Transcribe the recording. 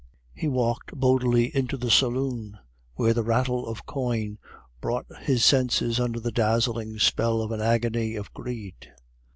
He walked boldly into the saloon, where the rattle of coin brought his senses under the dazzling spell of an agony of greed.